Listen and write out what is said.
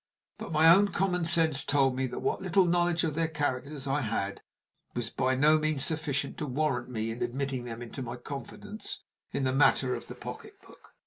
But my own common sense told me that what little knowledge of their characters I had was by no means sufficient to warrant me in admitting them into my confidence in the matter of the pocketbook.